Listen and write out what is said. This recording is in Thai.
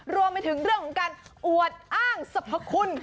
รวมไปถึงเรื่องของการอวดอ้างสรรพคุณ